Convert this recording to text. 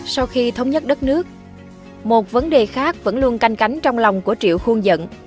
sau khi thống nhất đất nước một vấn đề khác vẫn luôn canh cánh trong lòng của triệu khuôn dẫn